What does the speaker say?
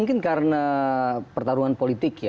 karena pertarungan politik